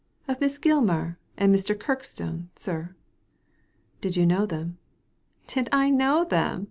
" Of Miss Gilmar and Mr. Kirkstone, sir." *' Did you know them ?"*' Did I know them